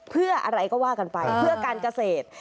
เพื่ออะไรก็ว่ากันไปเพื่อการเกษตร